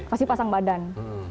pasti pasang badan